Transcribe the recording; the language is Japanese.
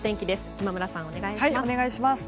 今村さん、お願いします。